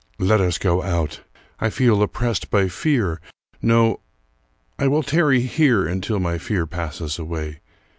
"Let us go out! I feel oppressed by fear no, I will tarry here until my fear passes away.